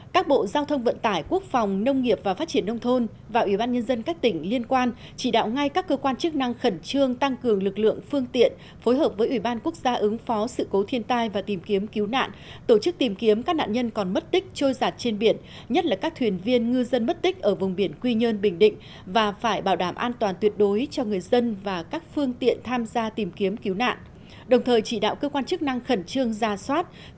hai các bộ giao thông vận tải quốc phòng nông nghiệp và phát triển nông thôn và ủy ban nhân dân các tỉnh liên quan chỉ đạo ngay các cơ quan chức năng khẩn trương tăng cường lực lượng phương tiện phối hợp với ủy ban quốc gia ứng phó sự cố thiên tai và tìm kiếm cứu nạn tổ chức tìm kiếm các nạn nhân còn mất tích trôi giặt trên biển nhất là các thuyền viên ngư dân mất tích ở vùng biển quy nhơn bình định và phải bảo đảm an toàn tuyệt đối cho người dân và các phương tiện tham gia tìm kiếm cứu nạn đồng thời chỉ đạo